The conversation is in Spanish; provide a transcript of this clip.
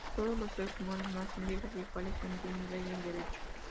Todos los seres humanos nacen libres e iguales en dignidad y en derechos.